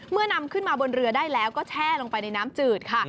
นำขึ้นมาบนเรือได้แล้วก็แช่ลงไปในน้ำจืดค่ะ